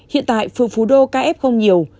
hiện tại phường phú đô ca f nhiều